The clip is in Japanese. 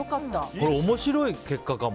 面白い結果かも。